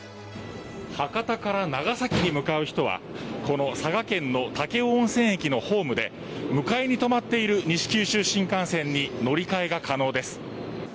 博多から長崎に向かう人は佐賀県の武雄温泉駅のホームで向かいに止まっている西九州新幹線に乗り換えが可能です。